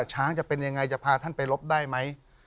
ช้างจะเป็นยังไงจะพาท่านไปรบได้ไหม